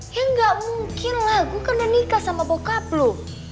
ya gak mungkin lah gue kan udah nikah sama bokap lo